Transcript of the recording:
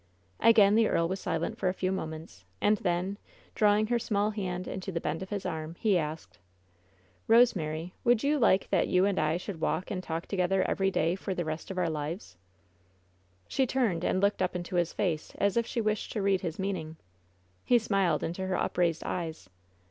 Again the earl was silent for a few moments, and then, drawing her small hand into the bend of his arm, he asked: "Eosemary, would you like that you and I should walk and talk together every day for the rest of our Uvesf* WHEN SHADOWS DIE 86 She turned and looked up into his face, as if she wished to read his meaning. He smiled into her upraised eyes.